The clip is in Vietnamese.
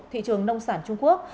thị trường nông sản trung quốc